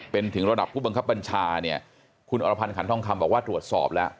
เป็นถึงระดับผู้บังคับบัญชาเนี่ยคุณอรพันธ์ขันทองคำบอกว่าตรวจสอบแล้ว